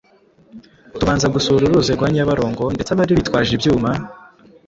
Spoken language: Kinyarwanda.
tubanza gusura uruzi rwa Nyabarongo, ndetse abari bitwaje ibyuma